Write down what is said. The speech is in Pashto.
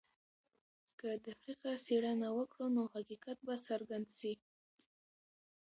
که دقیقه څېړنه وکړو نو حقیقت به څرګند سي.